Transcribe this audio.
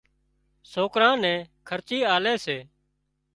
سوڪران نين خرچي آلي سي